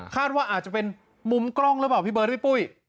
ว่าอาจจะเป็นมุมกล้องหรือเปล่าพี่เบิร์ดพี่ปุ้ย